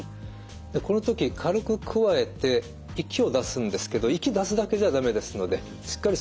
この時軽くくわえて息を出すんですけど息出すだけじゃ駄目ですのでしっかり